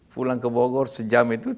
pulang ke bogor sejam itu